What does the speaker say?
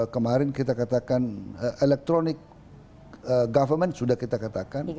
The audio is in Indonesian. kemarin kita katakan electronic government sudah kita katakan